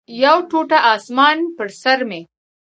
یو ټوټه اسمان پر سر مې